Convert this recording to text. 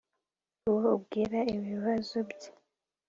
uwo ubwira ibibazo bye